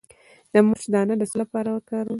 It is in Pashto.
د مرچ دانه د څه لپاره وکاروم؟